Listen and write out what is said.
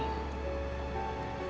tante melakukan sesuatu yang mudah